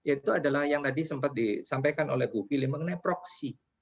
itu adalah yang tadi sempat disampaikan oleh bu fili mengenai proksi